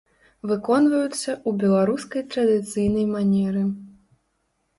Выконваюцца ў беларускай традыцыйнай манеры.